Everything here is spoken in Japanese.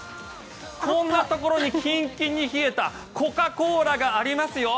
こんなところにキンキンに冷えたコカ・コーラがありますよ。